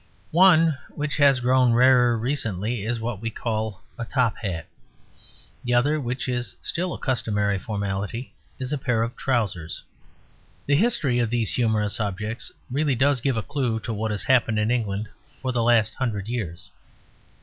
One, which has grown rarer recently, is what we call a top hat; the other, which is still a customary formality, is a pair of trousers. The history of these humorous objects really does give a clue to what has happened in England for the last hundred years.